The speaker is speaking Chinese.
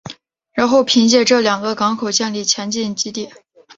然后凭借这两个港口建立前进基地。